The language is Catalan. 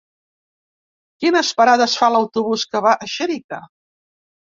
Quines parades fa l'autobús que va a Xèrica?